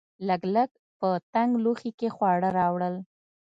لګلګ په تنګ لوښي کې خواړه راوړل.